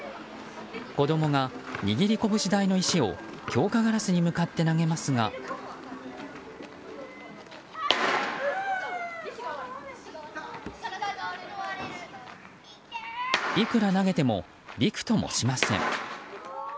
子供が握り拳大の石を強化ガラスに向かって投げますがいくら投げてもびくともしません。